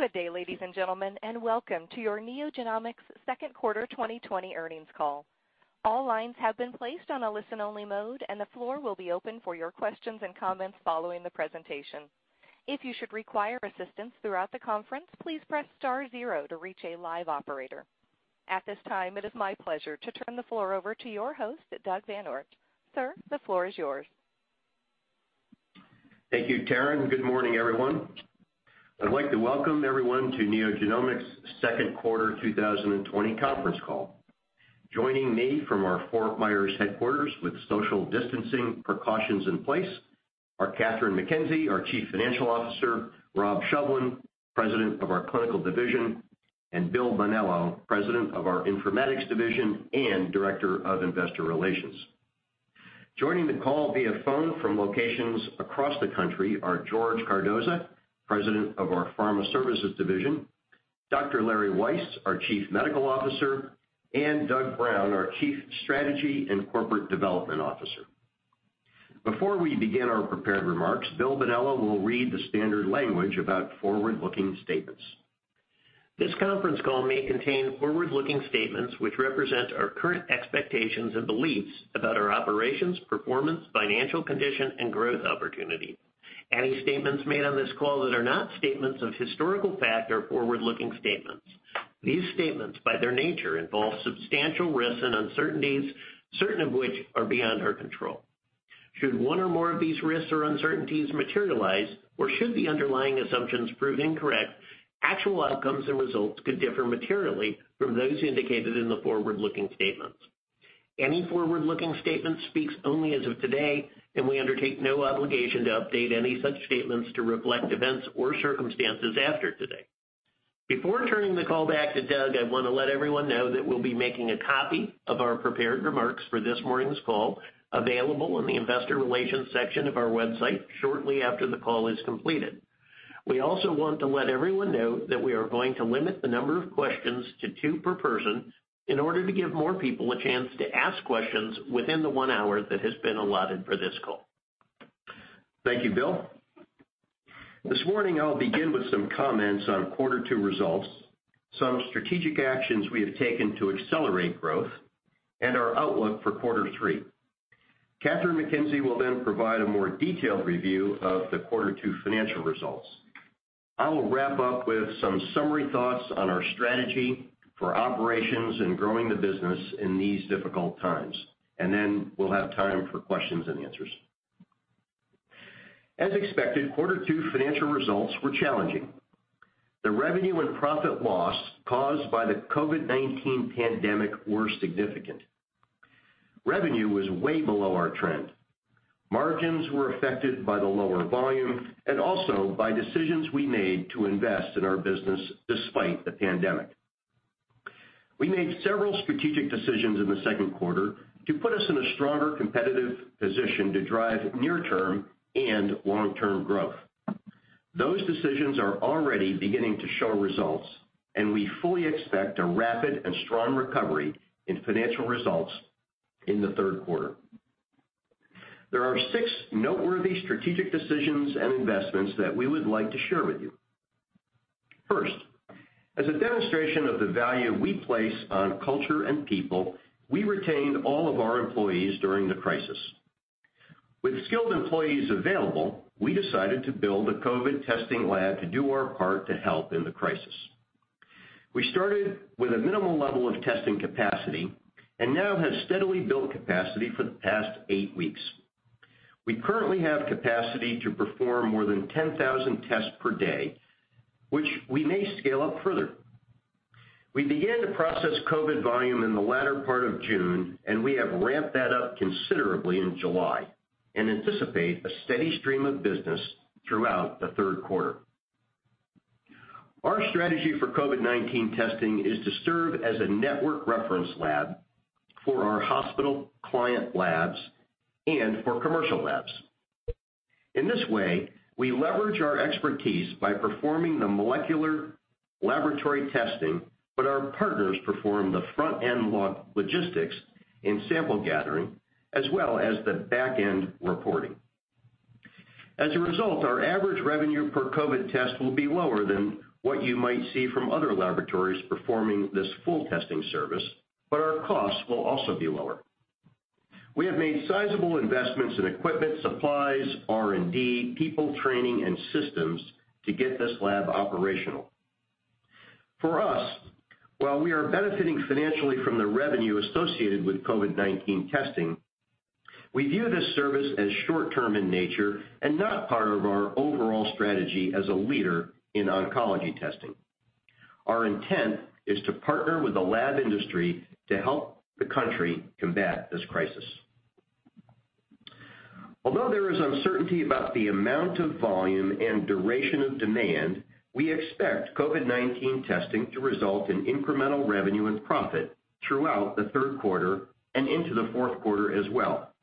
Good day, ladies and gentlemen, and welcome to your NeoGenomics' Q2 2020 Earnings Call. All lines have been placed on a listen-only mode, and the floor will be open for your questions and comments following the presentation. If you should require assistance throughout the conference, please press star zero to reach a live operator. At this time, it is my pleasure to turn the floor over to your host, Doug VanOort. Sir, the floor is yours. Thank you, Taryn. Good morning, everyone. I'd like to welcome everyone to NeoGenomics' Q2 2020 Conference Call. Joining me from our Fort Myers headquarters with social distancing precautions in place are Kathryn McKenzie, our Chief Financial Officer, Rob Shovlin, President of our Clinical Division, and Bill Bonello, President of our Informatics Division and Director of Investor Relations. Joining the call via phone from locations across the country are George Cardoza, President of our Pharma Services Division, Dr. Larry Weiss, our Chief Medical Officer, and Doug Brown, our Chief Strategy and Corporate Development Officer. Before we begin our prepared remarks, Bill Bonello will read the standard language about forward-looking statements. This conference call may contain forward-looking statements, which represent our current expectations and beliefs about our operations, performance, financial condition and growth opportunity. Any statements made on this call that are not statements of historical fact are forward-looking statements. These statements, by their nature, involve substantial risks and uncertainties, certain of which are beyond our control. Should one or more of these risks or uncertainties materialize, or should the underlying assumptions prove incorrect, actual outcomes and results could differ materially from those indicated in the forward-looking statements. Any forward-looking statement speaks only as of today, and we undertake no obligation to update any such statements to reflect events or circumstances after today. Before turning the call back to Doug, I want to let everyone know that we'll be making a copy of our prepared remarks for this morning's call available in the investor relations section of our website shortly after the call is completed. We also want to let everyone know that we are going to limit the number of questions to two per person in order to give more people a chance to ask questions within the one hour that has been allotted for this call. Thank you, Bill. This morning, I'll begin with some comments on Q2 results, some strategic actions we have taken to accelerate growth, and our outlook for Q3. Kathryn McKenzie will provide a more detailed review of the Q2 financial results. I will wrap up with some summary thoughts on our strategy for operations and growing the business in these difficult times, we'll have time for questions and answers. As expected, Q2 financial results were challenging. The revenue and profit loss caused by the COVID-19 pandemic were significant. Revenue was way below our trend. Margins were affected by the lower volume and also by decisions we made to invest in our business despite the pandemic. We made several strategic decisions in the Q2 to put us in a stronger competitive position to drive near-term and long-term growth. Those decisions are already beginning to show results, and we fully expect a rapid and strong recovery in financial results in the Q3. There are six noteworthy strategic decisions and investments that we would like to share with you. First, as a demonstration of the value we place on culture and people, we retained all of our employees during the crisis. With skilled employees available, we decided to build a COVID testing lab to do our part to help in the crisis. We started with a minimal level of testing capacity and now have steadily built capacity for the past eight weeks. We currently have capacity to perform more than 10,000 tests per day, which we may scale up further. We began to process COVID-19 volume in the latter part of June, and we have ramped that up considerably in July and anticipate a steady stream of business throughout the Q3. Our strategy for COVID-19 testing is to serve as a network reference lab for our hospital client labs and for commercial labs. In this way, we leverage our expertise by performing the molecular laboratory testing, but our partners perform the front-end logistics in sample gathering as well as the back-end reporting. As a result, our average revenue per COVID-19 test will be lower than what you might see from other laboratories performing this full testing service, but our costs will also be lower. We have made sizable investments in equipment, supplies, R&D, people training, and systems to get this lab operational. For us, while we are benefiting financially from the revenue associated with COVID-19 testing, we view this service as short-term in nature and not part of our overall strategy as a leader in oncology testing. Our intent is to partner with the lab industry to help the country combat this crisis. Although there is uncertainty about the amount of volume and duration of demand, we expect COVID-19 testing to result in incremental revenue and profit throughout the third quarter and into the fourth quarter as well.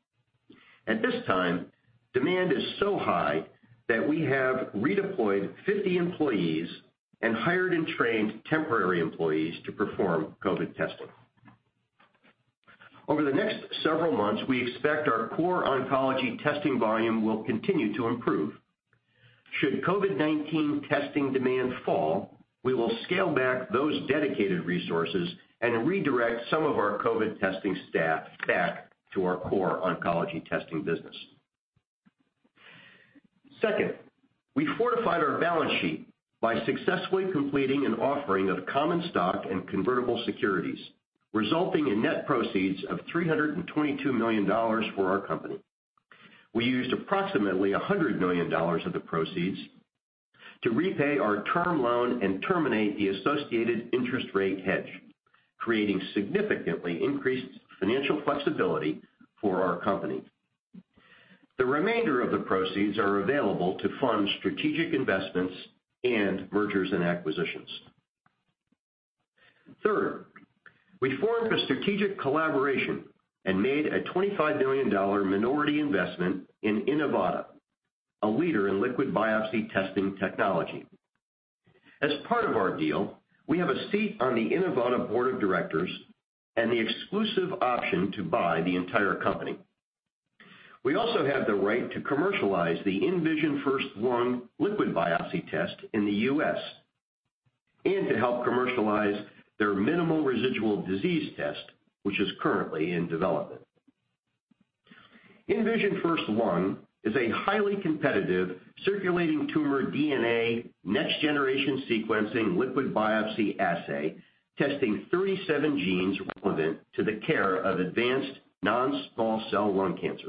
At this time, demand is so high that we have redeployed 50 employees and hired and trained temporary employees to perform COVID testing. Over the next several months, we expect our core oncology testing volume will continue to improve. Should COVID-19 testing demand fall, we will scale back those dedicated resources and redirect some of our COVID testing staff back to our core oncology testing business. We fortified our balance sheet by successfully completing an offering of common stock and convertible securities, resulting in net proceeds of $322 million for our company. We used approximately $100 million of the proceeds to repay our term loan and terminate the associated interest rate hedge, creating significantly increased financial flexibility for our company. The remainder of the proceeds are available to fund strategic investments and mergers and acquisitions. We formed a strategic collaboration and made a $25 million minority investment in Inivata, a leader in liquid biopsy testing technology. As part of our deal, we have a seat on the Inivata board of directors and the exclusive option to buy the entire company. We also have the right to commercialize the InVisionFirst-Lung Liquid Biopsy Test in the U.S. and to help commercialize their minimal residual disease test, which is currently in development. InVisionFirst-Lung is a highly competitive circulating tumor DNA next-generation sequencing liquid biopsy assay testing 37 genes relevant to the care of advanced non-small cell lung cancer.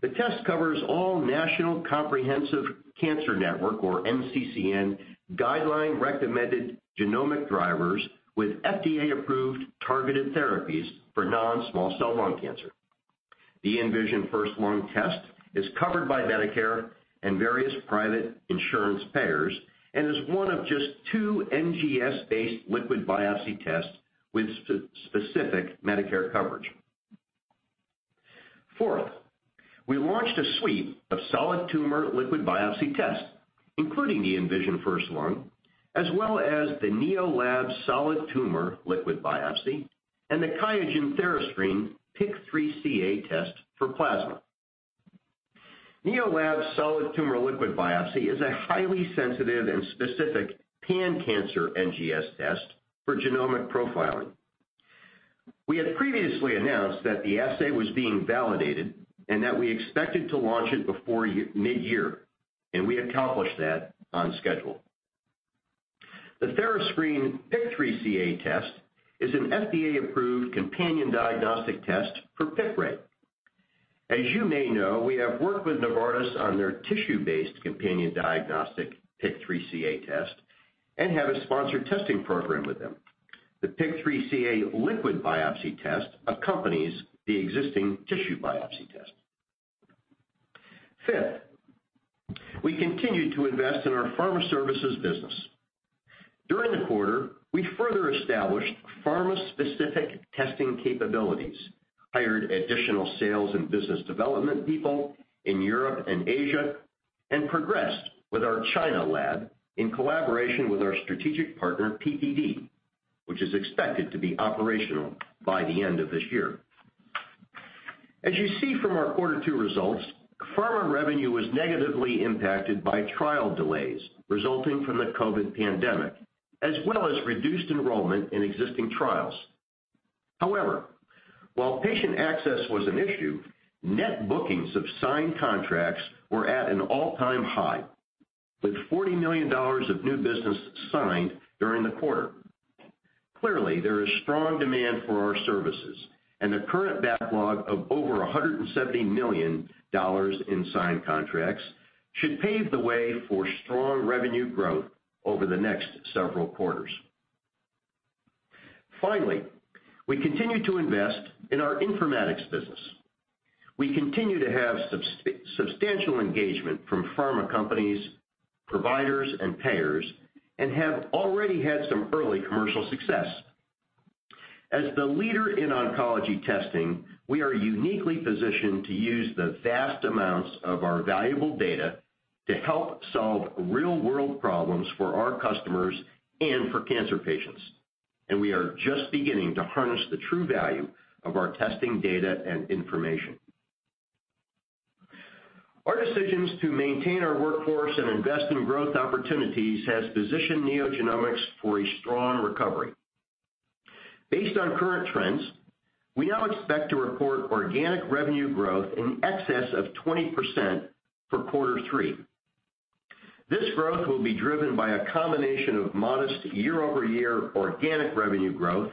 The test covers all National Comprehensive Cancer Network, or NCCN, guideline-recommended genomic drivers with FDA-approved targeted therapies for non-small cell lung cancer. The InVisionFirst-Lung Test is covered by Medicare and various private insurance payers and is one of just two NGS-based liquid biopsy tests with specific Medicare coverage. Fourth, we launched a suite of solid tumor liquid biopsy tests, including the InVisionFirst-Lung, as well as the NeoLAB Solid Tumor Liquid Biopsy and the QIAGEN therascreen PIK3CA test for plasma. NeoLAB Solid Tumor Liquid Biopsy is a highly sensitive and specific pan-cancer NGS test for genomic profiling. We had previously announced that the assay was being validated and that we expected to launch it before mid-year, and we accomplished that on schedule. The therascreen PIK3CA test is an FDA-approved companion diagnostic test for PIQRAY. As you may know, we have worked with Novartis on their tissue-based companion diagnostic PIK3CA test and have a sponsored testing program with them. The PIK3CA liquid biopsy test accompanies the existing tissue biopsy test. Fifth, we continued to invest in our pharma services business. During the quarter, we further established pharma-specific testing capabilities, hired additional sales and business development people in Europe and Asia, and progressed with our China lab in collaboration with our strategic partner, PPD, which is expected to be operational by the end of this year. As you see from our Q2 results, pharma revenue was negatively impacted by trial delays resulting from the COVID-19 pandemic, as well as reduced enrollment in existing trials. However, while patient access was an issue, net bookings of signed contracts were at an all-time high, with $40 million of new business signed during the quarter. Clearly, there is strong demand for our services and a current backlog of over $170 million in signed contracts should pave the way for strong revenue growth over the next several quarters. Finally, we continue to invest in our informatics business. We continue to have substantial engagement from pharma companies, providers, and payers and have already had some early commercial success. As the leader in oncology testing, we are uniquely positioned to use the vast amounts of our valuable data to help solve real-world problems for our customers and for cancer patients. We are just beginning to harness the true value of our testing data and information. Our decisions to maintain our workforce and invest in growth opportunities has positioned NeoGenomics for a strong recovery. Based on current trends, we now expect to report organic revenue growth in excess of 20% for Q3. This growth will be driven by a combination of modest year-over-year organic revenue growth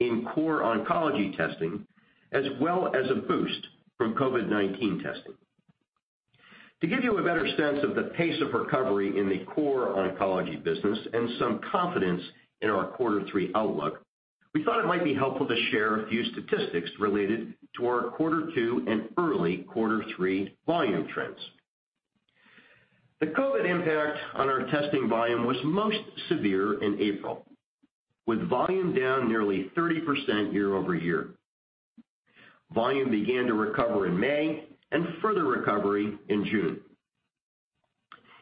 in core oncology testing, as well as a boost from COVID-19 testing. To give you a better sense of the pace of recovery in the core oncology business and some confidence in our Q3 outlook, we thought it might be helpful to share a few statistics related to our Q2 and early Q3 volume trends. The COVID impact on our testing volume was most severe in April, with volume down nearly 30% year-over-year. Volume began to recover in May and further recovery in June.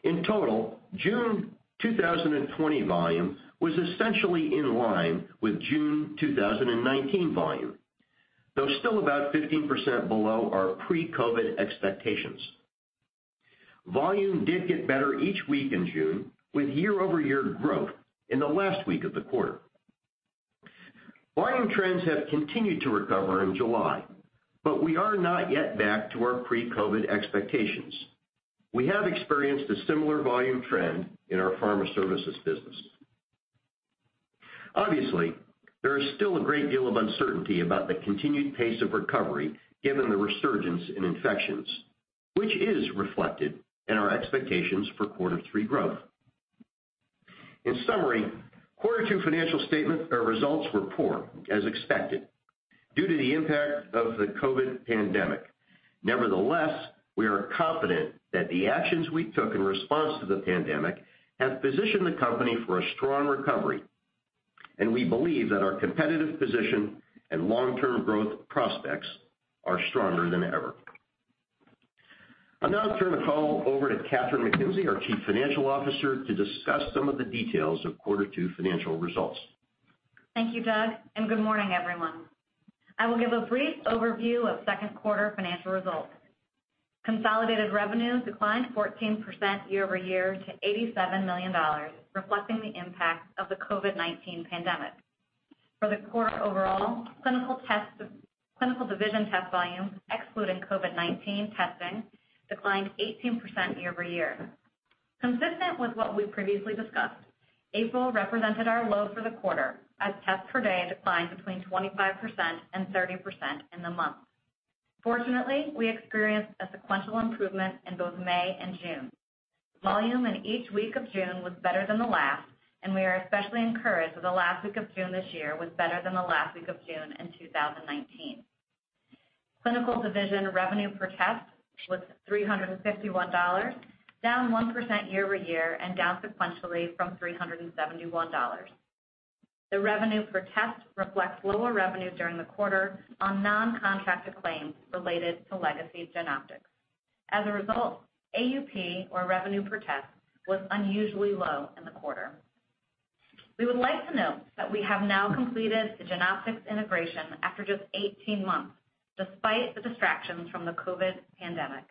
In total, June 2020 volume was essentially in line with June 2019 volume, though still about 15% below our pre-COVID expectations. Volume did get better each week in June, with year-over-year growth in the last week of the quarter. Volume trends have continued to recover in July, but we are not yet back to our pre-COVID expectations. We have experienced a similar volume trend in our Pharma Services business. Obviously, there is still a great deal of uncertainty about the continued pace of recovery given the resurgence in infections, which is reflected in our expectations for Q3 growth. In summary, Q2 financial statement results were poor as expected due to the impact of the COVID pandemic. Nevertheless, we are confident that the actions we took in response to the pandemic have positioned the company for a strong recovery, and we believe that our competitive position and long-term growth prospects are stronger than ever. I'll now turn the call over to Kathryn McKenzie, our Chief Financial Officer, to discuss some of the details of Q2 financial results. Thank you, Doug. Good morning, everyone. I will give a brief overview of Q2 financial results. Consolidated revenues declined 14% year-over-year to $87 million, reflecting the impact of the COVID-19 pandemic. For the quarter overall, clinical division test volume, excluding COVID-19 testing, declined 18% year-over-year. Consistent with what we previously discussed, April represented our low for the quarter as tests per day declined between 25% and 30% in the month. We experienced a sequential improvement in both May and June. Volume in each week of June was better than the last, and we are especially encouraged that the last week of June this year was better than the last week of June in 2019. Clinical division revenue per test was $351, down 1% year-over-year and down sequentially from $371. The revenue per test reflects lower revenue during the quarter on non-contracted claims related to legacy Genoptix. As a result, AUP or revenue per test was unusually low in the quarter. We would like to note that we have now completed the Genoptix integration after just 18 months, despite the distractions from the COVID-19 pandemic.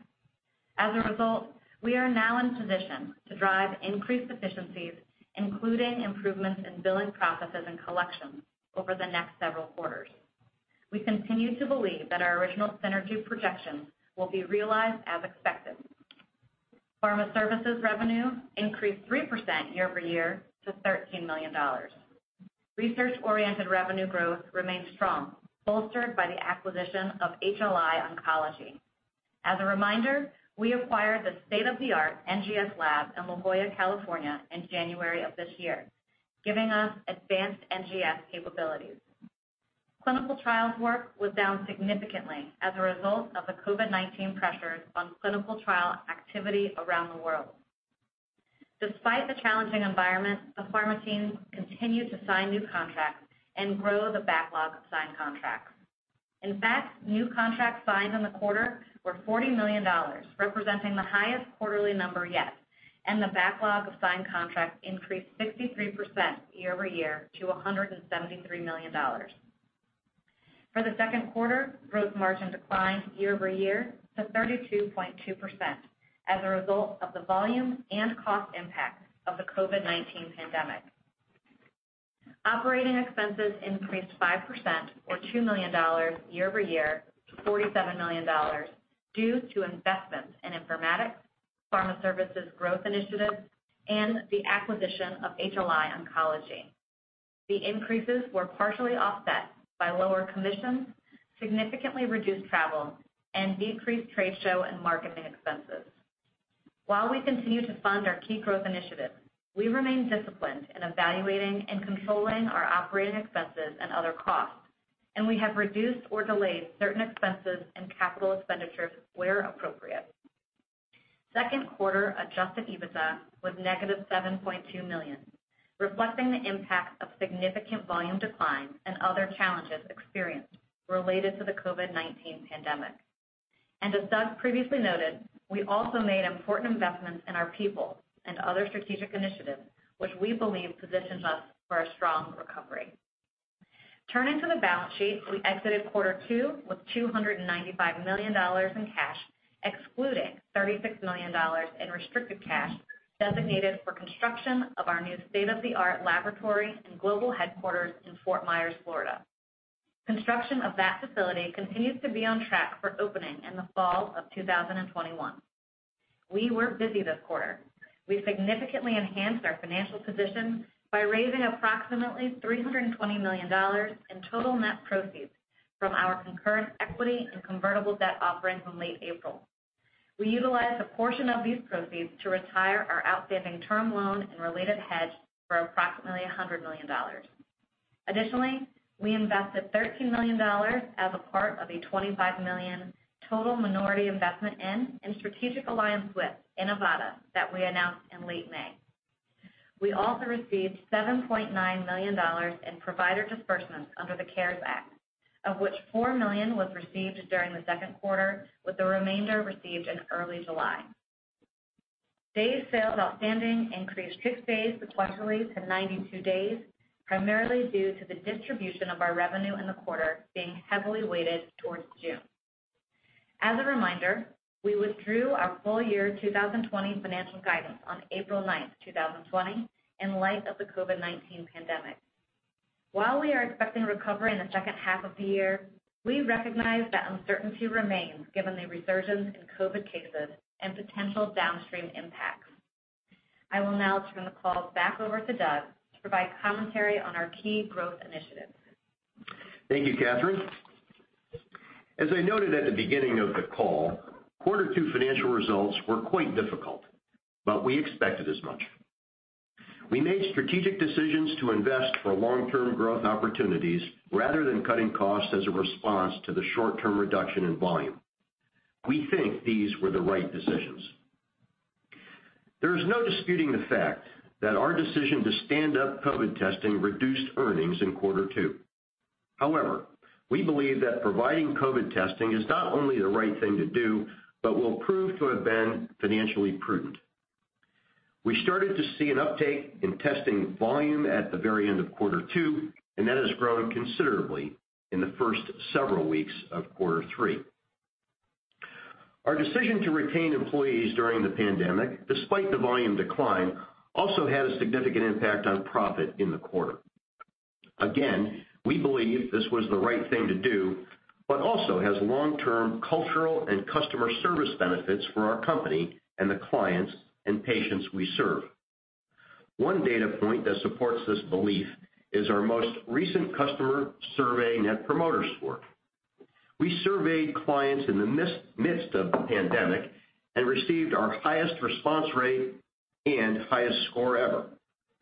As a result, we are now in position to drive increased efficiencies, including improvements in billing processes and collections over the next several quarters. We continue to believe that our original synergy projections will be realized as expected. Pharma Services revenue increased 3% year-over-year to $13 million. Research-oriented revenue growth remains strong, bolstered by the acquisition of HLI Oncology. As a reminder, we acquired the state-of-the-art NGS lab in La Jolla, California in January of this year, giving us advanced NGS capabilities. Clinical trials work was down significantly as a result of the COVID-19 pressures on clinical trial activity around the world. Despite the challenging environment, the pharma teams continued to sign new contracts and grow the backlog of signed contracts. In fact, new contracts signed in the quarter were $40 million, representing the highest quarterly number yet, and the backlog of signed contracts increased 63% year-over-year to $173 million. For the Q2, gross margin declined year-over-year to 32.2% as a result of the volume and cost impact of the COVID-19 pandemic. Operating expenses increased 5% or $2 million year-over-year to $47 million due to investments in informatics, pharma services growth initiatives, and the acquisition of HLI Oncology. The increases were partially offset by lower commissions, significantly reduced travel, and decreased trade show and marketing expenses. While we continue to fund our key growth initiatives, we remain disciplined in evaluating and controlling our operating expenses and other costs, and we have reduced or delayed certain expenses and capital expenditures where appropriate. Q2 adjusted EBITDA was -$7.2 million, reflecting the impact of significant volume declines and other challenges experienced related to the COVID-19 pandemic. As Doug previously noted, we also made important investments in our people and other strategic initiatives, which we believe positions us for a strong recovery. Turning to the balance sheet, we exited Q2 with $295 million in cash, excluding $36 million in restricted cash designated for construction of our new state-of-the-art laboratory and global headquarters in Fort Myers, Florida. Construction of that facility continues to be on track for opening in the fall of 2021. We were busy this quarter. We significantly enhanced our financial position by raising approximately $320 million in total net proceeds from our concurrent equity and convertible debt offering from late April. We utilized a portion of these proceeds to retire our outstanding term loan and related hedge for approximately $100 million. We invested $13 million as a part of a $25 million total minority investment in and strategic alliance with Inivata that we announced in late May. We also received $7.9 million in provider disbursements under the CARES Act, of which $4 million was received during the second quarter, with the remainder received in early July. Days sales outstanding increased six days sequentially to 92 days, primarily due to the distribution of our revenue in the quarter being heavily weighted towards June. As a reminder, we withdrew our full-year 2020 financial guidance on April 9th, 2020, in light of the COVID-19 pandemic. While we are expecting recovery in the second half of the year, we recognize that uncertainty remains given the resurgence in COVID cases and potential downstream impacts. I will now turn the call back over to Doug to provide commentary on our key growth initiatives. Thank you, Kathryn. As I noted at the beginning of the call, Q2 financial results were quite difficult, but we expected as much. We made strategic decisions to invest for long-term growth opportunities rather than cutting costs as a response to the short-term reduction in volume. We think these were the right decisions. There is no disputing the fact that our decision to stand up COVID-19 testing reduced earnings in Q2. We believe that providing COVID-19 testing is not only the right thing to do, but will prove to have been financially prudent. We started to see an uptake in testing volume at the very end of Q2, and that has grown considerably in the first several weeks of Q3. Our decision to retain employees during the pandemic, despite the volume decline, also had a significant impact on profit in the quarter. Again, we believe this was the right thing to do, but also has long-term cultural and customer service benefits for our company and the clients and patients we serve. One data point that supports this belief is our most recent customer survey net promoter score. We surveyed clients in the midst of the pandemic and received our highest response rate and highest score ever,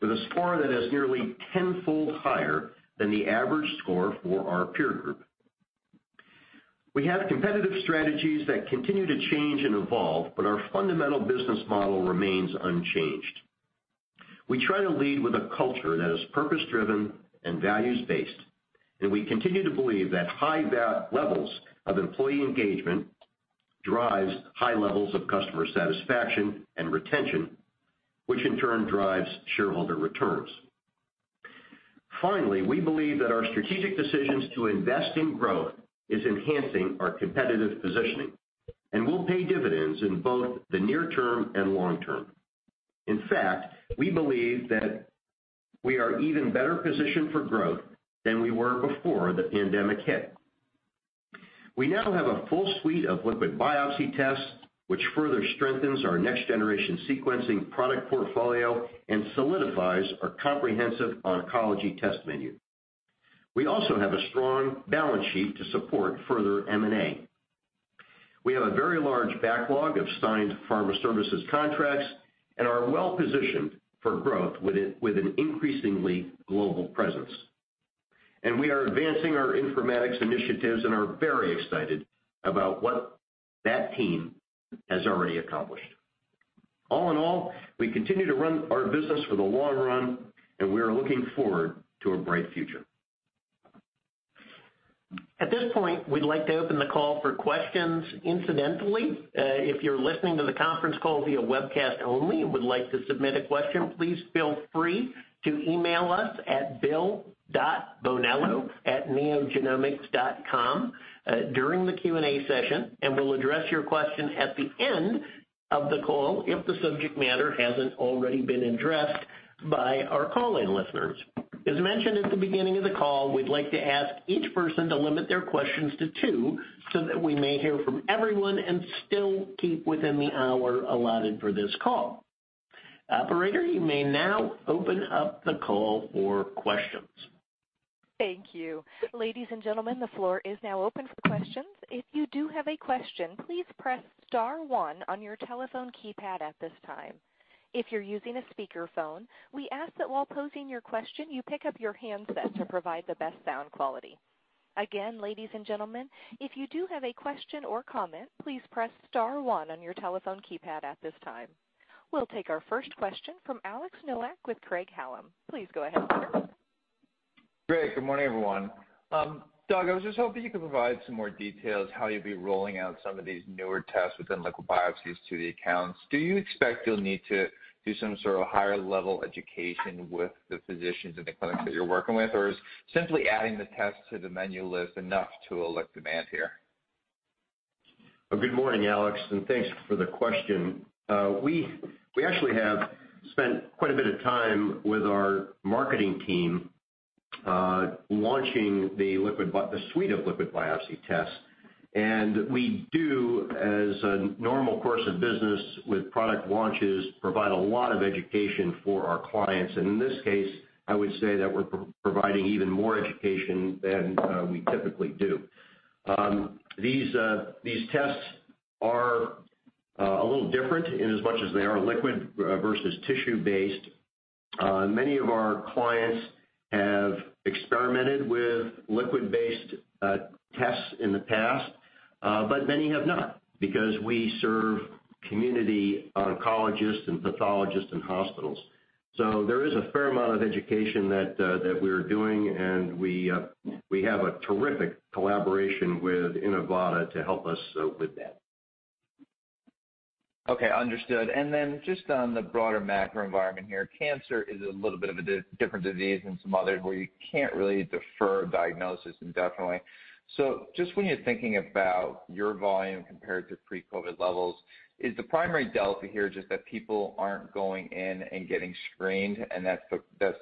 with a score that is nearly 10-fold higher than the average score for our peer group. We have competitive strategies that continue to change and evolve, but our fundamental business model remains unchanged. We try to lead with a culture that is purpose-driven and values-based, and we continue to believe that high levels of employee engagement drives high levels of customer satisfaction and retention, which in turn drives shareholder returns. We believe that our strategic decisions to invest in growth is enhancing our competitive positioning and will pay dividends in both the near term and long term. We believe that we are even better positioned for growth than we were before the pandemic hit. We now have a full suite of liquid biopsy tests, which further strengthens our next-generation sequencing product portfolio and solidifies our comprehensive oncology test menu. We also have a strong balance sheet to support further M&A. We have a very large backlog of signed pharma services contracts and are well-positioned for growth with an increasingly global presence. We are advancing our informatics initiatives and are very excited about what that team has already accomplished. We continue to run our business for the long run, and we are looking forward to a bright future. At this point, we'd like to open the call for questions. Incidentally, if you're listening to the conference call via webcast only and would like to submit a question, please feel free to email us at bill.bonello@neogenomics.com, during the Q&A session, and we'll address your question at the end of the call if the subject matter hasn't already been addressed by our call-in listeners. As mentioned at the beginning of the call, we'd like to ask each person to limit their questions to two, so that we may hear from everyone and still keep within the hour allotted for this call. Operator, you may now open up the call for questions. Thank you. Ladies and gentlemen, the floor is now open for questions. If you do have a question, please press star one on your telephone keypad at this time. If you're using a speakerphone, we ask that while posing your question, you pick up your handset to provide the best sound quality. Again, ladies and gentlemen, if you do have a question or comment, please press star one on your telephone keypad at this time. We'll take our first question from Alex Nowak with Craig-Hallum. Please go ahead. Great. Good morning, everyone. Doug, I was just hoping you could provide some more details how you'll be rolling out some of these newer tests within liquid biopsies to the accounts. Do you expect you'll need to do some sort of higher-level education with the physicians in the clinics that you're working with? Or is simply adding the tests to the menu list enough to elect demand here? Good morning, Alex. Thanks for the question. We actually have spent quite a bit of time with our marketing team launching the suite of liquid biopsy tests. We do, as a normal course of business with product launches, provide a lot of education for our clients. In this case, I would say that we're providing even more education than we typically do. These tests are a little different in as much as they are liquid versus tissue-based. Many of our clients have experimented with liquid-based tests in the past. Many have not because we serve community oncologists and pathologists in hospitals. There is a fair amount of education that we're doing, and we have a terrific collaboration with Inivata to help us with that. Okay, understood. Then just on the broader macro environment here, cancer is a little bit of a different disease than some others where you can't really defer diagnosis indefinitely. Just when you're thinking about your volume compared to pre-COVID levels, is the primary delta here just that people aren't going in and getting screened, and that's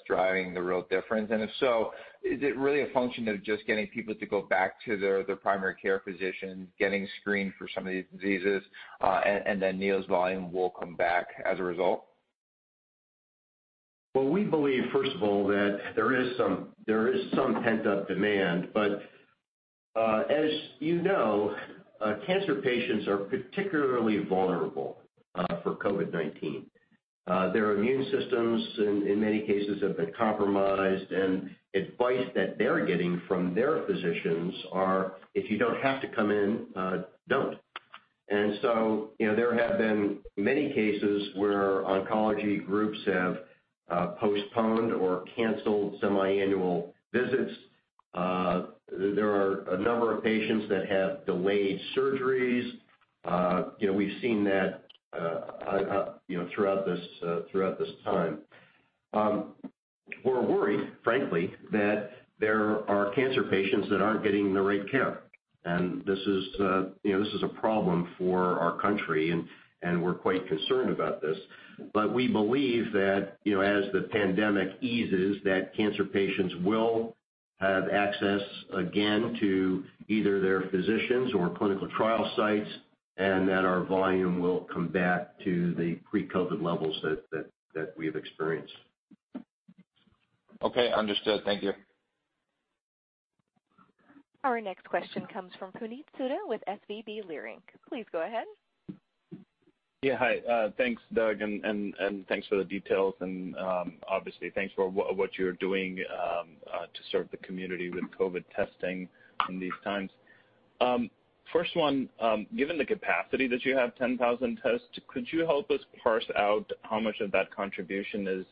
driving the real difference? If so, is it really a function of just getting people to go back to their primary care physician, getting screened for some of these diseases, and then Neo's volume will come back as a result? Well, we believe, first of all, that there is some pent-up demand. As you know, cancer patients are particularly vulnerable for COVID-19. Their immune systems, in many cases, have been compromised, and advice that they're getting from their physicians are, "If you don't have to come in, don't." There have been many cases where oncology groups have postponed or canceled semiannual visits. There are a number of patients that have delayed surgeries. We've seen that throughout this time. We're worried, frankly, that there are cancer patients that aren't getting the right care. This is a problem for our country, and we're quite concerned about this. We believe that as the pandemic eases, that cancer patients will have access again to either their physicians or clinical trial sites, and that our volume will come back to the pre-COVID levels that we have experienced. Okay, understood. Thank you. Our next question comes from Puneet Souda with Leerink Partners. Please go ahead. Yeah, hi. Thanks, Doug, and thanks for the details and, obviously, thanks for what you're doing to serve the community with COVID testing in these times. First one, given the capacity that you have, 10,000 tests, could you help us parse out how much of that contribution is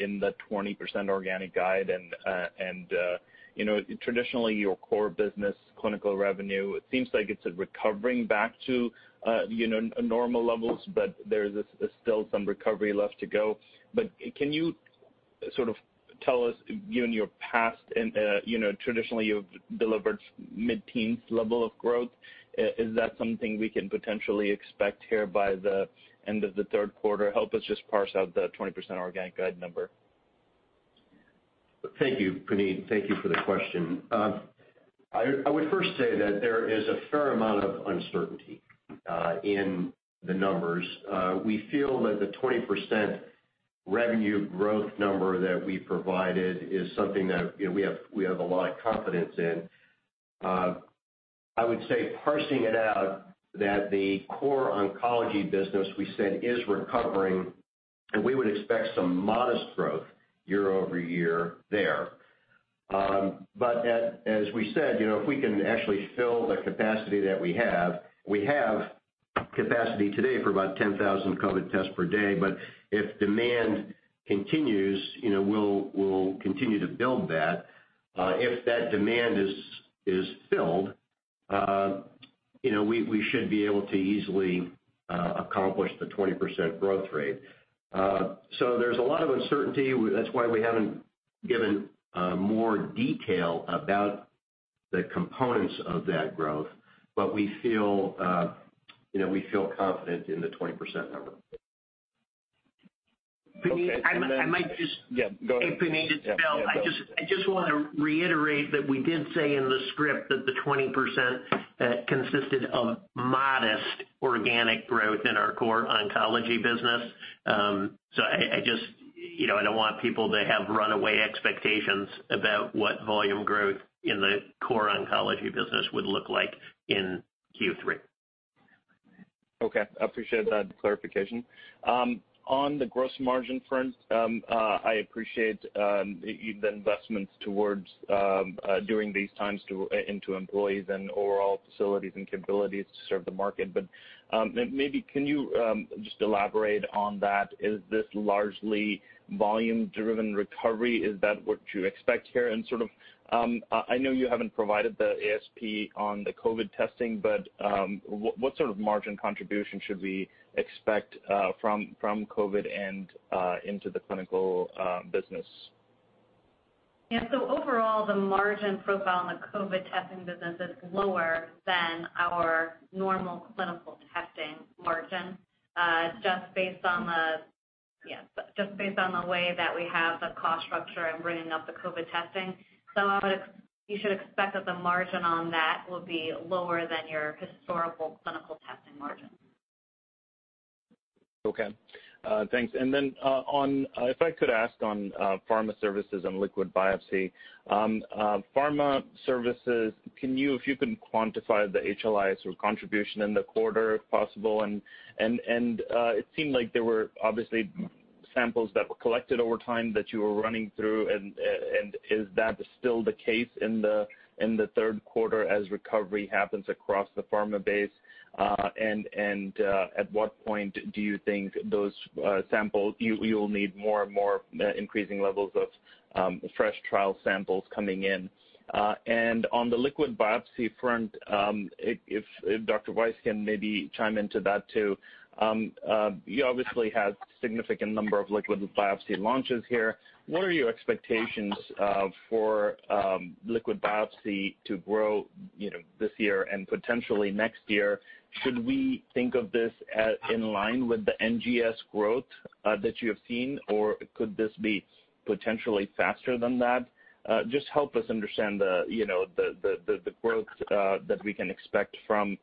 in the 20% organic guide? Traditionally, your core business clinical revenue, it seems like it's recovering back to normal levels, but there's still some recovery left to go. Can you sort of tell us, traditionally you've delivered mid-teens level of growth. Is that something we can potentially expect here by the end of the third quarter? Help us just parse out the 20% organic guide number. Thank you, Puneet. Thank you for the question. I would first say that there is a fair amount of uncertainty in the numbers. We feel that the 20% revenue growth number that we provided is something that we have a lot of confidence in. I would say parsing it out that the core oncology business we said is recovering, and we would expect some modest growth year-over-year there. As we said, if we can actually fill the capacity that we have, we have capacity today for about 10,000 COVID tests per day. If demand continues, we'll continue to build that. If that demand is filled, we should be able to easily accomplish the 20% growth rate. There's a lot of uncertainty. That's why we haven't given more detail about the components of that growth. We feel confident in the 20% number. Okay. Puneet, I might just Yeah, go ahead. Hey, Puneet, it's Bill. I just want to reiterate that we did say in the script that the 20% consisted of modest organic growth in our core oncology business. I don't want people to have runaway expectations about what volume growth in the core oncology business would look like in Q3. Okay. Appreciate that clarification. On the gross margin front, I appreciate the investments towards during these times into employees and overall facilities and capabilities to serve the market. Maybe can you just elaborate on that? Is this largely volume-driven recovery? Is that what you expect here? Sort of, I know you haven't provided the ASP on the COVID testing, but what sort of margin contribution should we expect from COVID and into the clinical business? Yeah. Overall, the margin profile in the COVID testing business is lower than our normal clinical testing margin just based on the way that we have the cost structure and bringing up the COVID testing. You should expect that the margin on that will be lower than your historical clinical testing margin. Okay. Thanks. If I could ask on pharma services and liquid biopsy. Pharma services, if you can quantify the HLI sort of contribution in the quarter, if possible. It seemed like there were obviously samples that were collected over time that you were running through, is that still the case in the third quarter as recovery happens across the pharma base? At what point do you think you will need more and more increasing levels of fresh trial samples coming in? On the liquid biopsy front, if Dr. Weiss can maybe chime into that too. You obviously have significant number of liquid biopsy launches here. What are your expectations for liquid biopsy to grow this year and potentially next year? Should we think of this in line with the NGS growth that you have seen, or could this be potentially faster than that? Just help us understand the growth that we can expect from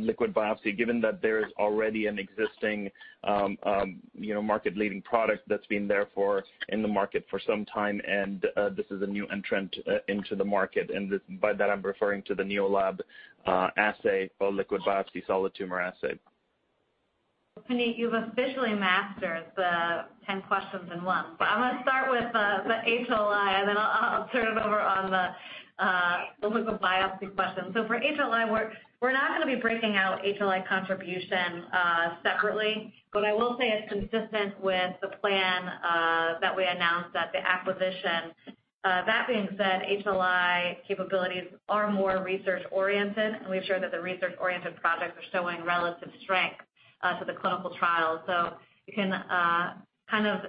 liquid biopsy, given that there is already an existing market-leading product that's been there in the market for some time, and this is a new entrant into the market, and by that I'm referring to the NeoLAB assay or liquid biopsy solid tumor assay. Puneet, you've officially mastered the 10 questions in one. I'm going to start with the HLI, and then I'll turn it over on the liquid biopsy question. For HLI, we're not going to be breaking out HLI contribution separately, but I will say it's consistent with the plan that we announced at the acquisition. That being said, HLI capabilities are more research-oriented, and we've shared that the research-oriented projects are showing relative strength to the clinical trials. You can kind of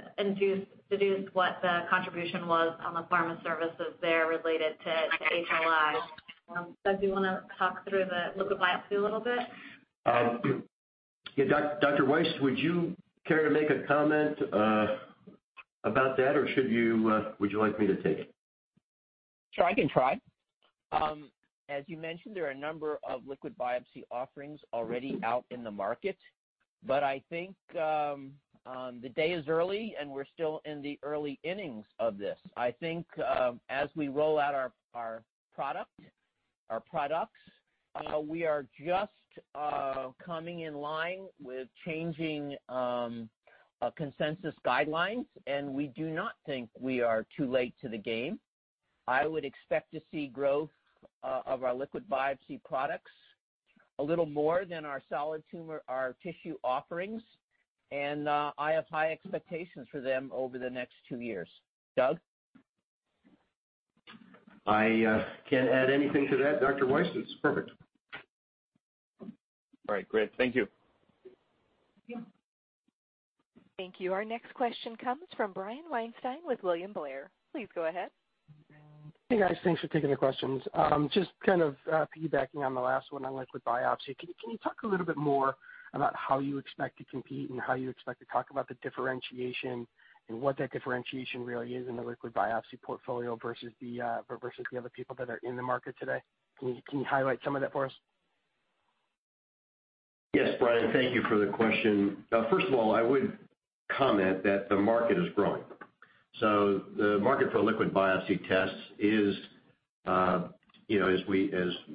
deduce what the contribution was on the Pharma Services there related to HLI. Doug, do you want to talk through the liquid biopsy a little bit? Yeah. Dr. Weiss, would you care to make a comment about that, or would you like me to take it? Sure, I can try. As you mentioned, there are a number of liquid biopsy offerings already out in the market, but I think the day is early and we're still in the early innings of this. I think as we roll out our products, we are just coming in line with changing consensus guidelines, and we do not think we are too late to the game. I would expect to see growth of our liquid biopsy products a little more than our solid tumor, our tissue offerings, and I have high expectations for them over the next two years. Doug? I can't add anything to that, Dr. Weiss. It's perfect. All right, great. Thank you. Thank you. Thank you. Our next question comes from Brian Weinstein with William Blair. Please go ahead. Hey, guys. Thanks for taking the questions. Just kind of piggybacking on the last one on liquid biopsy, can you talk a little bit more about how you expect to compete and how you expect to talk about the differentiation and what that differentiation really is in the liquid biopsy portfolio versus the other people that are in the market today? Can you highlight some of that for us? Yes, Brian, thank you for the question. First of all, I would comment that the market is growing. The market for liquid biopsy tests is, as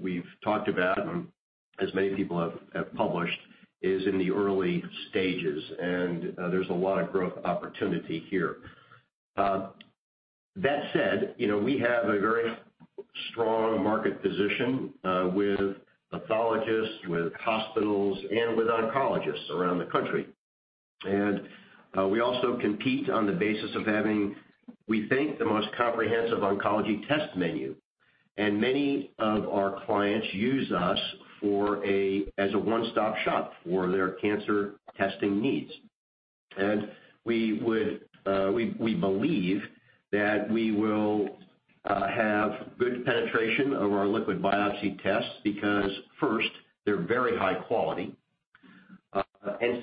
we've talked about and as many people have published, is in the early stages, and there's a lot of growth opportunity here. That said, we have a very strong market position, with pathologists, with hospitals, and with oncologists around the country. We also compete on the basis of having, we think, the most comprehensive oncology test menu. Many of our clients use us as a one-stop shop for their cancer testing needs. We believe that we will have good penetration of our liquid biopsy tests because first, they're very high quality.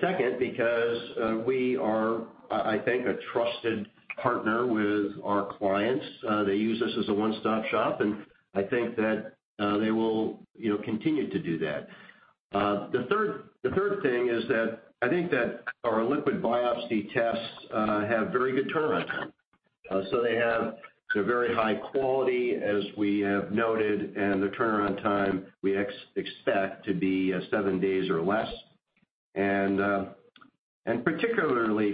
Second, because we are, I think, a trusted partner with our clients. They use us as a one-stop shop. I think that they will continue to do that. The third thing is that I think that our liquid biopsy tests have very good turnaround time. They're very high quality, as we have noted, and the turnaround time we expect to be seven days or less. Particularly,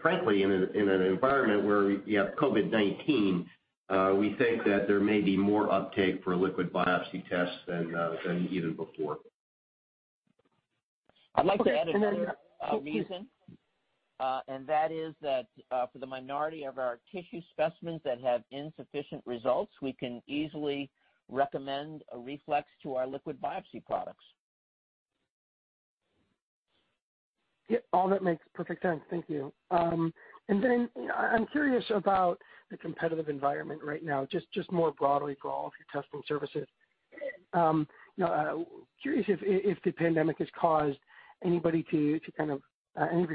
frankly, in an environment where you have COVID-19, we think that there may be more uptake for liquid biopsy tests than even before. I'd like to add another reason, and that is that, for the minority of our tissue specimens that have insufficient results, we can easily recommend a reflex to our liquid biopsy products. Yeah, all that makes perfect sense. Thank you. I'm curious about the competitive environment right now, just more broadly for all of your testing services. Curious if the pandemic has caused any of your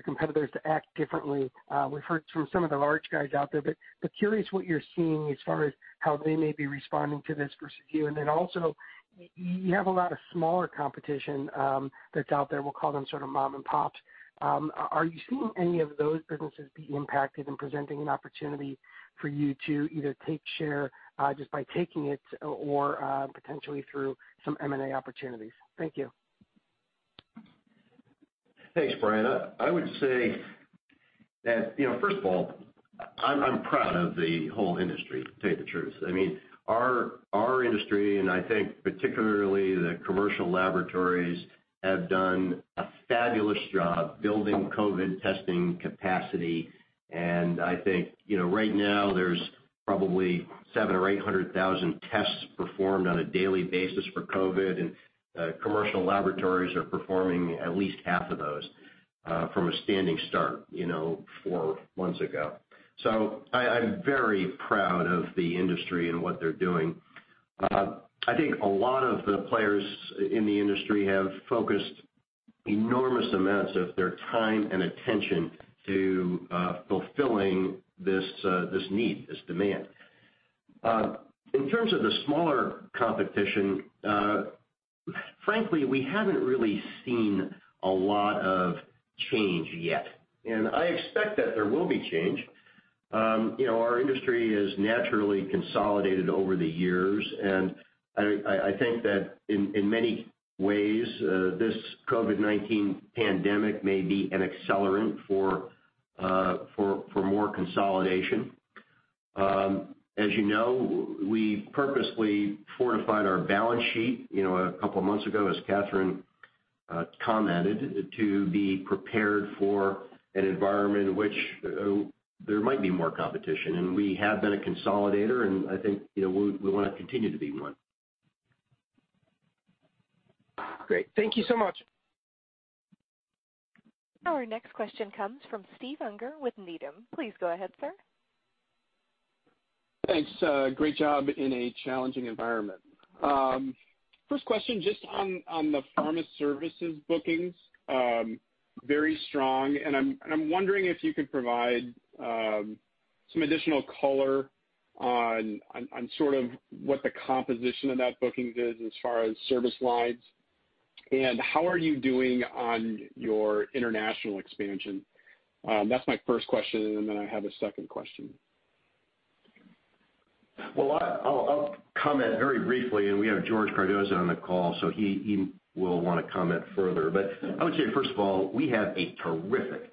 competitors to act differently. We've heard from some of the large guys out there, curious what you're seeing as far as how they may be responding to this versus you. You have a lot of smaller competition that's out there. We'll call them sort of mom and pops. Are you seeing any of those businesses be impacted and presenting an opportunity for you to either take share just by taking it or potentially through some M&A opportunities? Thank you. Thanks, Brian. I would say that, first of all, I am proud of the whole industry, to tell you the truth. Our industry, and I think particularly the commercial laboratories, have done a fabulous job building COVID-19 testing capacity. I think, right now, there is probably 700,000 or 800,000 tests performed on a daily basis for COVID-19, and commercial laboratories are performing at least half of those from a standing start four months ago. I am very proud of the industry and what they are doing. I think a lot of the players in the industry have focused enormous amounts of their time and attention to fulfilling this need, this demand. In terms of the smaller competition, frankly, we haven't really seen a lot of change yet, and I expect that there will be change. Our industry has naturally consolidated over the years, and I think that in many ways, this COVID-19 pandemic may be an accelerant for more consolidation. As you know, we purposely fortified our balance sheet, a couple of months ago, as Kathryn commented, to be prepared for an environment in which there might be more competition. We have been a consolidator, and I think we want to continue to be one. Great. Thank you so much. Our next question comes from Steve Unger with Needham. Please go ahead, sir. Thanks. Great job in a challenging environment. First question, just on the Pharma Services bookings. Very strong, and I'm wondering if you could provide some additional color on what the composition of that booking is as far as service lines. How are you doing on your international expansion? That's my first question, and then I have a second question. Well, I'll comment very briefly, and we have George Cardoza on the call, so he will want to comment further. I would say, first of all, we have a terrific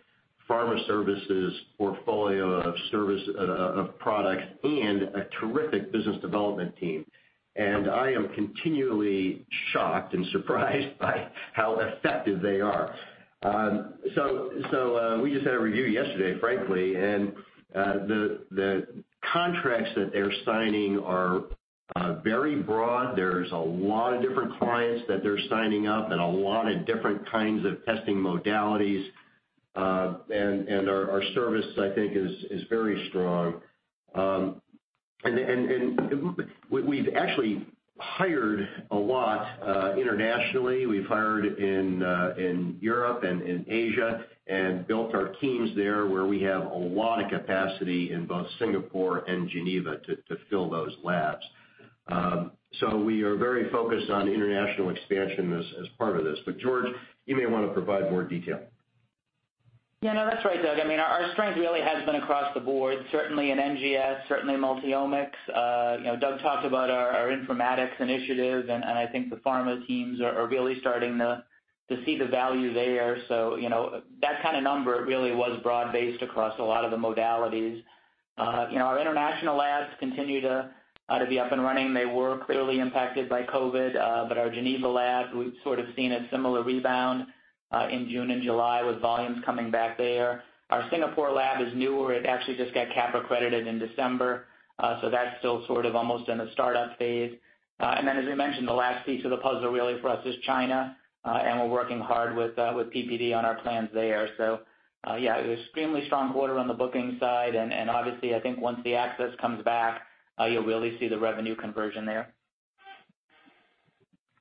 pharma services portfolio of products and a terrific business development team. I am continually shocked and surprised by how effective they are. We just had a review yesterday, frankly, and the contracts that they're signing are very broad. There's a lot of different clients that they're signing up and a lot of different kinds of testing modalities. Our service, I think, is very strong. We've actually hired a lot internationally. We've hired in Europe and in Asia and built our teams there, where we have a lot of capacity in both Singapore and Geneva to fill those labs. We are very focused on international expansion as part of this. George, you may want to provide more detail. No, that's right, Doug. Our strength really has been across the board, certainly in NGS, certainly multi-omics. Doug talked about our informatics initiative, and I think the pharma teams are really starting to see the value there. That kind of number really was broad-based across a lot of the modalities. Our international labs continue to be up and running. They were clearly impacted by COVID. Our Geneva lab, we've sort of seen a similar rebound in June and July with volumes coming back there. Our Singapore lab is newer. It actually just got CAP-accredited in December, so that's still sort of almost in a startup phase. Then, as we mentioned, the last piece of the puzzle really for us is China, and we're working hard with PPD on our plans there. Yeah, extremely strong quarter on the booking side, obviously, I think once the access comes back, you'll really see the revenue conversion there.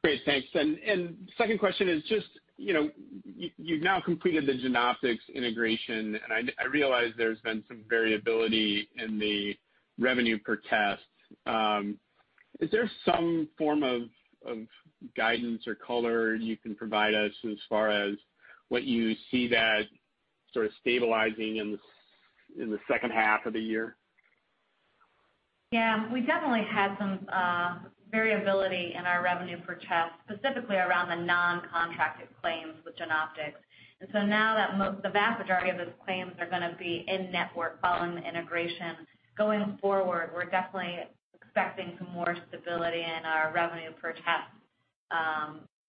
Great, thanks. Second question is just, you've now completed the Genoptix integration, and I realize there's been some variability in the revenue per test. Is there some form of guidance or color you can provide us as far as what you see that sort of stabilizing in the H2 of the year? Yeah. We definitely had some variability in our revenue per test, specifically around the non-contracted claims with Genoptix. Now that the vast majority of those claims are going to be in-network following the integration, going forward, we're definitely expecting some more stability in our revenue per test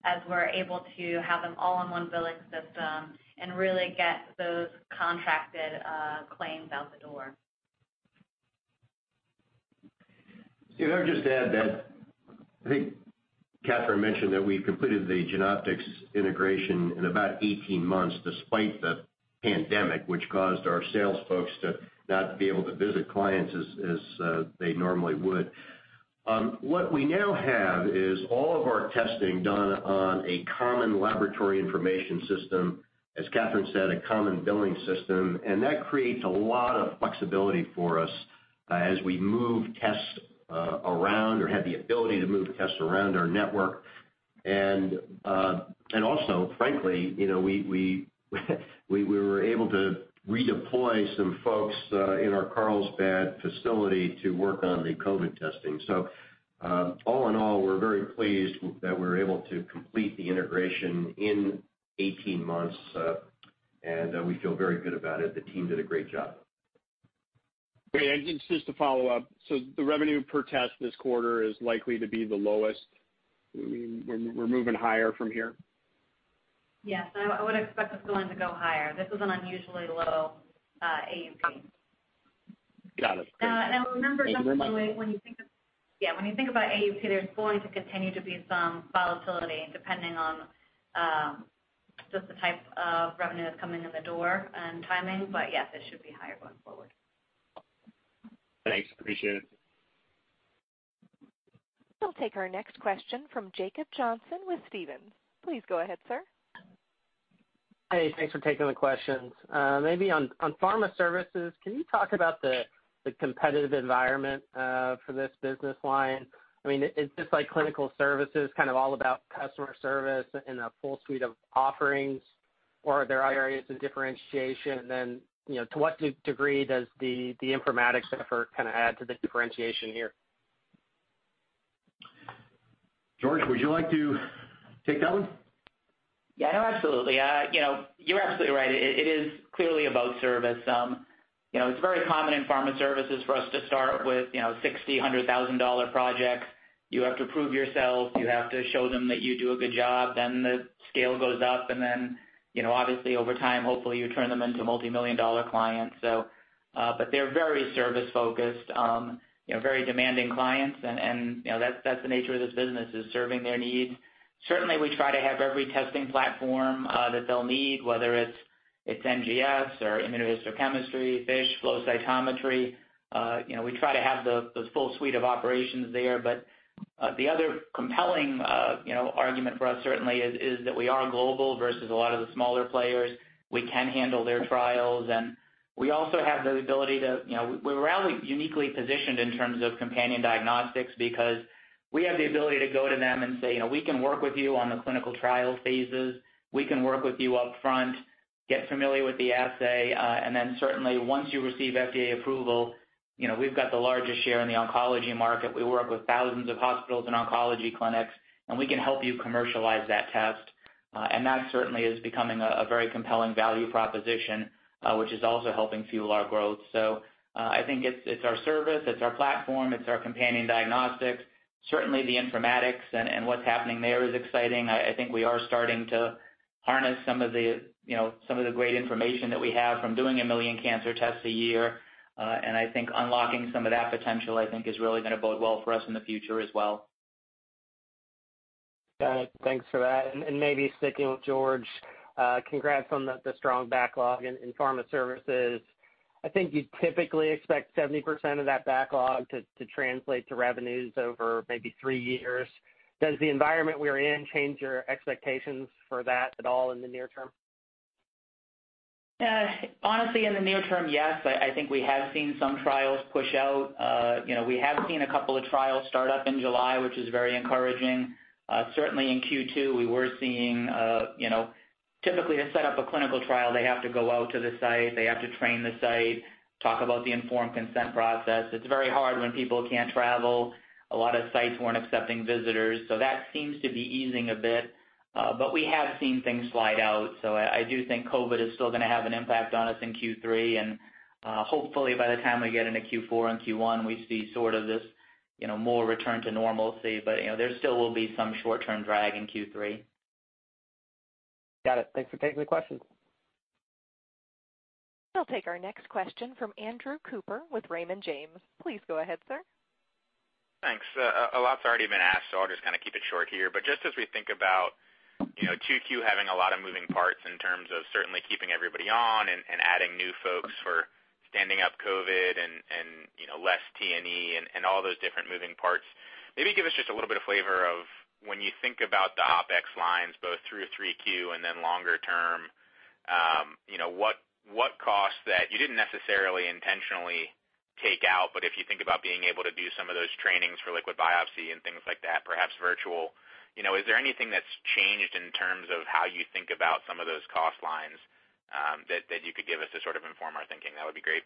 as we're able to have them all in one billing system and really get those contracted claims out the door. Yeah, I'd just add that I think Kathryn mentioned that we completed the Genoptix integration in about 18 months, despite the pandemic, which caused our sales folks to not be able to visit clients as they normally would. What we now have is all of our testing done on a common laboratory information system, as Kathryn said, a common billing system. That creates a lot of flexibility for us as we move tests around or have the ability to move tests around our network. Also, frankly, we were able to redeploy some folks in our Carlsbad facility to work on the COVID testing. All in all, we're very pleased that we were able to complete the integration in 18 months. We feel very good about it. The team did a great job. Great. Just to follow up, so the revenue per test this quarter is likely to be the lowest? We're moving higher from here? Yes, I would expect us going to go higher. This was an unusually low AUP. Got it. Thank you. Remember, when you think about AUP, there's going to continue to be some volatility depending on just the type of revenue that's coming in the door and timing. Yes, it should be higher going forward. Thanks, appreciate it. We'll take our next question from Jacob Johnson with Stephens. Please go ahead, sir. Hey, thanks for taking the questions. Maybe on Pharma Services, can you talk about the competitive environment for this business line? Is this like Clinical Services, kind of all about customer service and a full suite of offerings, or are there areas of differentiation? To what degree does the informatics effort add to the differentiation here? George, would you like to take that one? Yeah, no, absolutely. You're absolutely right. It is clearly about service. It's very common in pharma services for us to start with 60, $100,000 projects. You have to prove yourself. You have to show them that you do a good job, then the scale goes up. Then, obviously over time, hopefully you turn them into multimillion-dollar clients. They're very service-focused, very demanding clients. That's the nature of this business, is serving their needs. Certainly, we try to have every testing platform that they'll need, whether it's NGS or immunohistochemistry, FISH, flow cytometry. We try to have the full suite of operations there. The other compelling argument for us certainly, is that we are global versus a lot of the smaller players. We can handle their trials. We're uniquely positioned in terms of companion diagnostics because we have the ability to go to them and say, "We can work with you on the clinical trial phases. We can work with you upfront, get familiar with the assay." Certainly once you receive FDA approval, we've got the largest share in the oncology market. We work with thousands of hospitals and oncology clinics, and we can help you commercialize that test. That certainly is becoming a very compelling value proposition, which is also helping fuel our growth. I think it's our service, it's our platform, it's our companion diagnostics. Certainly the informatics and what's happening there is exciting. I think we are starting to harness some of the great information that we have from doing a million cancer tests a year. I think unlocking some of that potential, I think is really going to bode well for us in the future as well. Got it. Thanks for that. Maybe sticking with George, congrats on the strong backlog in Pharma Services. I think you'd typically expect 70% of that backlog to translate to revenues over maybe three years. Does the environment we're in change your expectations for that at all in the near term? Honestly, in the near term, yes. I think we have seen some trials push out. We have seen a couple of trials start up in July, which is very encouraging. Certainly in Q2, we were seeing, typically to set up a clinical trial, they have to go out to the site, they have to train the site, talk about the informed consent process. It's very hard when people can't travel. A lot of sites weren't accepting visitors. That seems to be easing a bit. We have seen things slide out. I do think COVID is still going to have an impact on us in Q3, and hopefully by the time we get into Q4 and Q1, we see sort of this more return to normalcy. There still will be some short-term drag in Q3. Got it. Thanks for taking the question. We'll take our next question from Andrew Cooper with Raymond James. Please go ahead, sir. Thanks. A lot's already been asked. I'll just kind of keep it short here. Just as we think about Q2 having a lot of moving parts in terms of certainly keeping everybody on and adding new folks for standing up COVID-19 and less T&E and all those different moving parts, maybe give us just a little bit of flavor of when you think about the OpEx lines, both through Q3 and then longer term, what costs that you didn't necessarily intentionally take out, but if you think about being able to do some of those trainings for liquid biopsy and things like that, perhaps virtual. Is there anything that's changed in terms of how you think about some of those cost lines that you could give us to sort of inform our thinking? That would be great.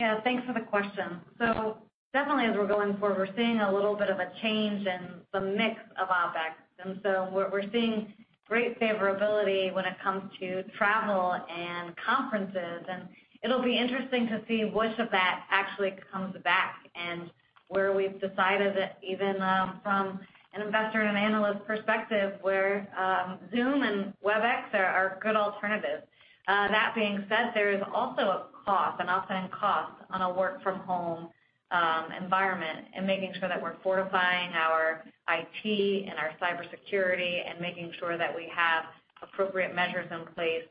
Yeah, thanks for the question. Definitely as we're going forward, we're seeing a little bit of a change in the mix of OpEx. We're seeing great favorability when it comes to travel and conferences, and it'll be interesting to see which of that actually comes back and where we've decided that even from an investor and an analyst perspective, where Zoom and Webex are good alternatives. That being said, there is also a cost, an offsetting cost on a work from home environment and making sure that we're fortifying our IT and our cybersecurity and making sure that we have appropriate measures in place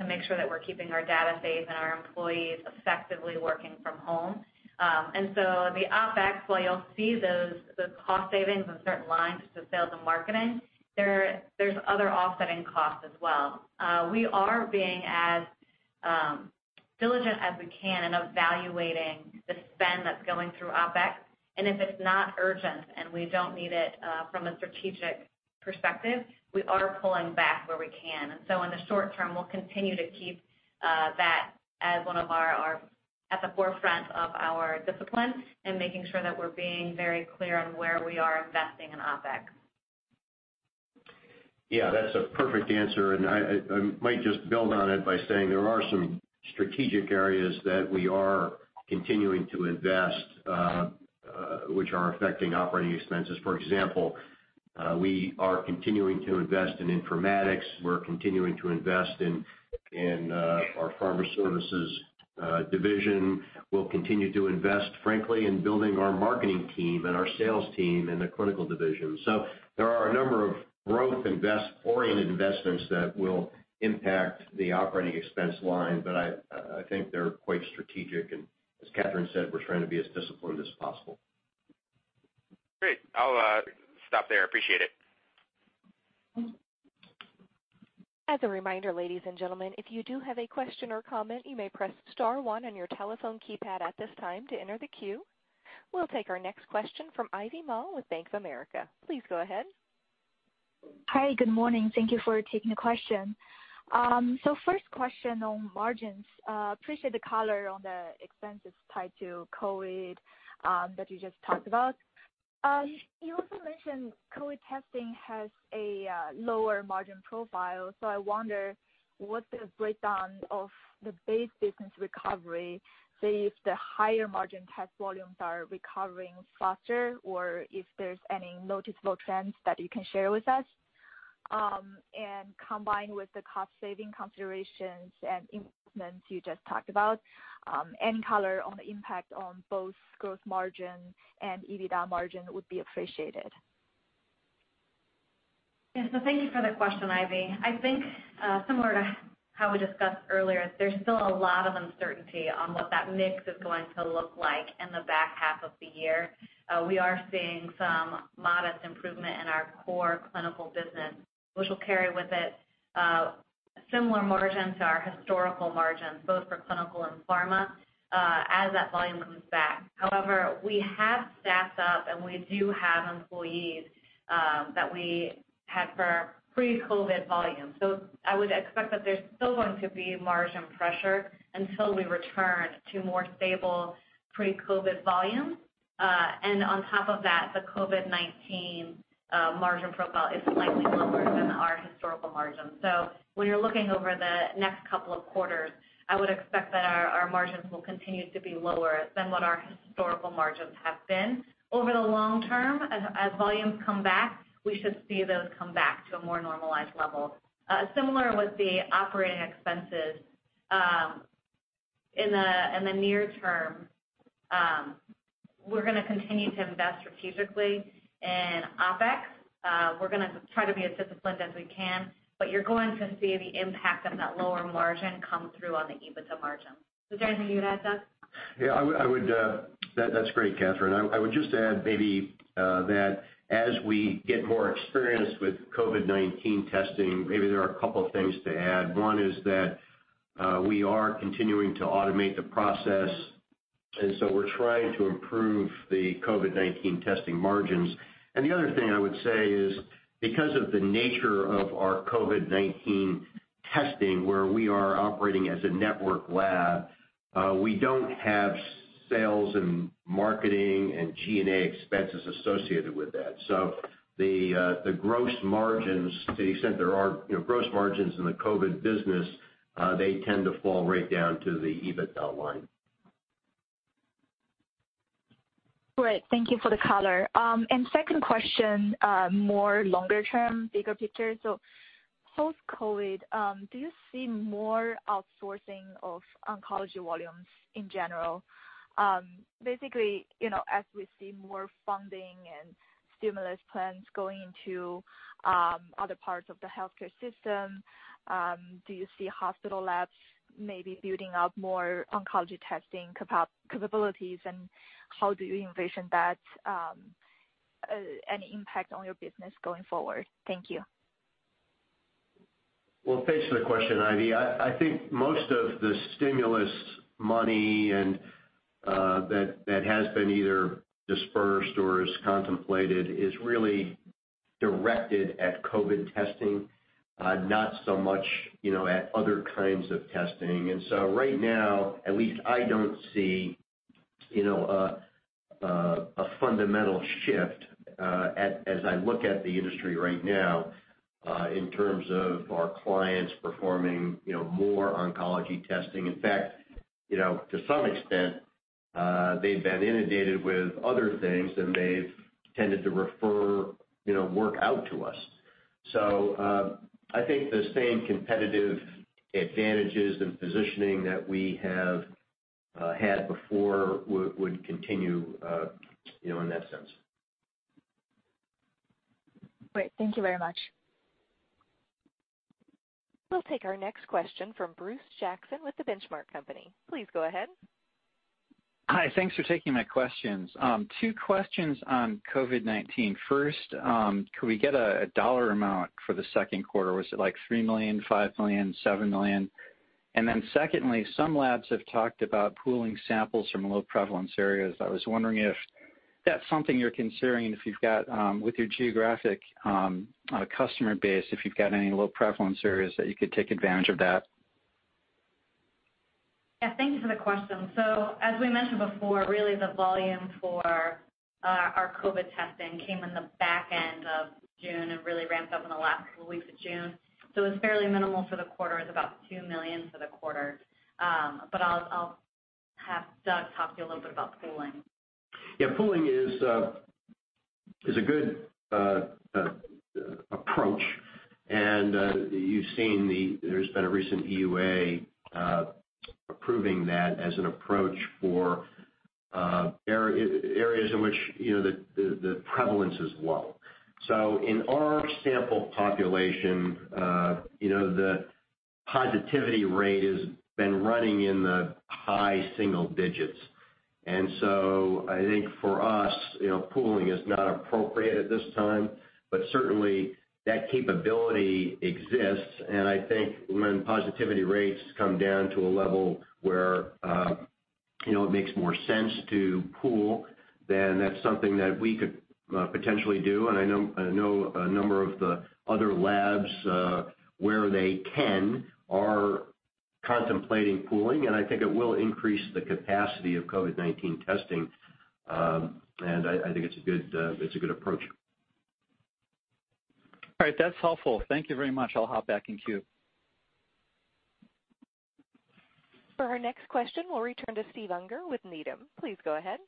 to make sure that we're keeping our data safe and our employees effectively working from home. The OpEx, while you'll see those cost savings in certain lines, so sales and marketing, there's other offsetting costs as well. We are being as diligent as we can in evaluating the spend that's going through OpEx. If it's not urgent and we don't need it from a strategic perspective, we are pulling back where we can. So in the short term, we'll continue to keep that as one of our at the forefront of our discipline and making sure that we're being very clear on where we are investing in OpEx. Yeah, that's a perfect answer, and I might just build on it by saying there are some strategic areas that we are continuing to invest, which are affecting operating expenses. For example, we are continuing to invest in Informatics, we're continuing to invest in our Pharma Services Division. We'll continue to invest, frankly, in building our marketing team and our sales team in the Clinical Services Division. There are a number of growth and best-oriented investments that will impact the operating expense line. I think they're quite strategic, and as Kathryn said, we're trying to be as disciplined as possible. Great. I'll stop there. Appreciate it. As a reminder, ladies and gentlemen, if you do have a question or comment, you may press star one on your telephone keypad at this time to enter the queue. We'll take our next question from Ivy Ma with Bank of America. Please go ahead. Hi. Good morning. Thank you for taking the question. First question on margins. Appreciate the color on the expenses tied to COVID that you just talked about. You also mentioned COVID testing has a lower margin profile. I wonder, what's the breakdown of the base business recovery, say, if the higher margin test volumes are recovering faster or if there's any noticeable trends that you can share with us? Combined with the cost-saving considerations and improvements you just talked about. Any color on the impact on both gross margin and EBITDA margin would be appreciated. Thank you for the question, Ivy. I think similar to how we discussed earlier, there's still a lot of uncertainty on what that mix is going to look like in the back half of the year. We are seeing some modest improvement in our core clinical business, which will carry with it similar margins to our historical margins, both for clinical and pharma, as that volume comes back. However, we have staffed up and we do have employees that we had for pre-COVID volumes. I would expect that there's still going to be margin pressure until we return to more stable pre-COVID volumes. On top of that, the COVID-19 margin profile is likely lower than our historical margins. When you're looking over the next couple of quarters, I would expect that our margins will continue to be lower than what our historical margins have been. Over the long term, as volumes come back, we should see those come back to a more normalized level. Similar with the operating expenses, in the near term, we're going to continue to invest strategically in OpEx. You're going to try to be as disciplined as we can, but you're going to see the impact of that lower margin come through on the EBITDA margin. Was there anything you'd add, Doug? Yeah. That's great, Kathryn. I would just add maybe that as we get more experience with COVID-19 testing, maybe there are a couple things to add. One is that we are continuing to automate the process, and so we're trying to improve the COVID-19 testing margins. The other thing I would say is, because of the nature of our COVID-19 testing, where we are operating as a network lab, we don't have sales and marketing and G&A expenses associated with that. The gross margins, to the extent there are gross margins in the COVID business, they tend to fall right down to the EBITDA line. Great. Thank you for the color. Second question, more longer term, bigger picture. Post-COVID, do you see more outsourcing of oncology volumes in general? Basically, as we see more funding and stimulus plans going into other parts of the healthcare system, do you see hospital labs maybe building up more oncology testing capabilities, and how do you envision that, any impact on your business going forward? Thank you. Well, thanks for the question, Ivy. I think most of the stimulus money that has been either dispersed or is contemplated is really directed at COVID testing, not so much at other kinds of testing. Right now, at least I don't see a fundamental shift, as I look at the industry right now, in terms of our clients performing more oncology testing. In fact, to some extent, they've been inundated with other things and they've tended to refer work out to us. I think the same competitive advantages and positioning that we have had before would continue in that sense. Great. Thank you very much. We'll take our next question from Bruce Jackson with The Benchmark Company. Please go ahead. Hi. Thanks for taking my questions. Two questions on COVID-19. First, could we get a dollar amount for the second quarter? Was it like $3 million, $5 million, $7 million? Secondly, some labs have talked about pooling samples from low prevalence areas. I was wondering if that's something you're considering if you've got, with your geographic customer base, if you've got any low prevalence areas that you could take advantage of that? Yeah. Thank you for the question. As we mentioned before, really the volume for our COVID testing came in the back end of June and really ramped up in the last couple weeks of June. It was fairly minimal for the quarter. It's about $2 million for the quarter. I'll have Doug talk to you a little bit about pooling. Yeah, pooling is a good approach. You've seen there's been a recent EUA approving that as an approach for areas in which the prevalence is low. So I think for us, pooling is not appropriate at this time, but certainly that capability exists. I think when positivity rates come down to a level where it makes more sense to pool, then that's something that we could potentially do. I know a number of the other labs where they can, are contemplating pooling, and I think it will increase the capacity of COVID-19 testing. I think it's a good approach. All right. That's helpful. Thank you very much. I'll hop back in queue. For our next question, we'll return to Steve Unger with Needham. Please go ahead.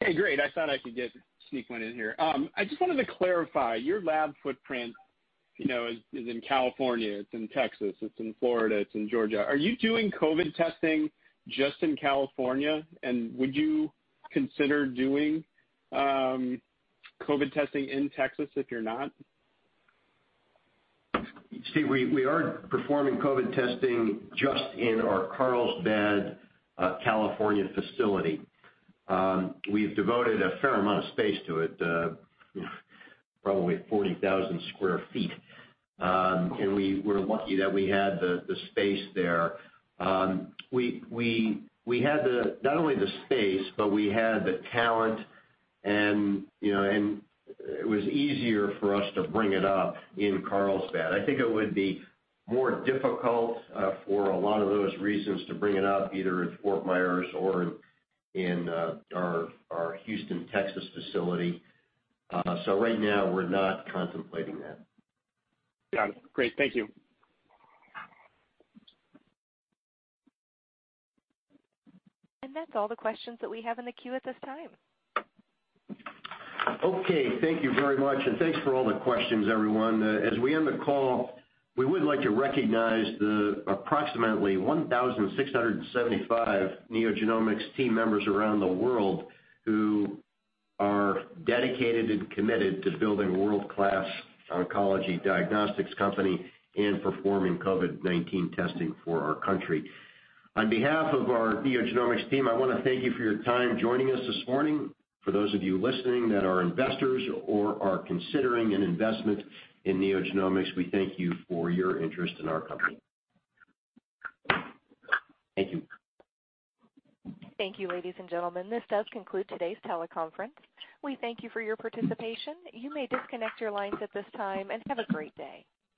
Hey, great. I thought I could just sneak one in here. I just wanted to clarify. Your lab footprint is in California, it's in Texas, it's in Florida, it's in Georgia. Are you doing COVID testing just in California? Would you consider doing COVID testing in Texas if you're not? Steve, we are performing COVID testing just in our Carlsbad, California facility. We've devoted a fair amount of space to it, probably 40,000 square feet. We're lucky that we had the space there. We had not only the space, but we had the talent and it was easier for us to bring it up in Carlsbad. I think it would be more difficult for a lot of those reasons to bring it up, either in Fort Myers or in our Houston, Texas facility. Right now, we're not contemplating that. Got it. Great. Thank you. That's all the questions that we have in the queue at this time. Okay. Thank you very much, and thanks for all the questions, everyone. As we end the call, we would like to recognize the approximately 1,675 NeoGenomics team members around the world who are dedicated and committed to building a world-class oncology diagnostics company and performing COVID-19 testing for our country. On behalf of our NeoGenomics team, I want to thank you for your time joining us this morning. For those of you listening that are investors or are considering an investment in NeoGenomics, we thank you for your interest in our company. Thank you. Thank you, ladies and gentlemen. This does conclude today's teleconference. We thank you for your participation. You may disconnect your lines at this time, and have a great day.